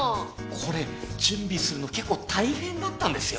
これ準備するの結構大変だったんですよ！